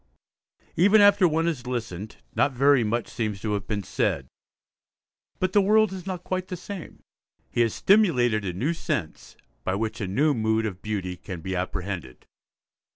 Even after one has listened, not very much seems to have been said; but the world is not quite the same. He has stimulated a new sense, by which a new mood of beauty can be apprehended.